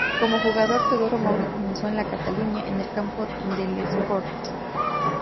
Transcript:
Como jugador Teodoro Mauri comenzó en el Cataluña en el Campo de Les Corts.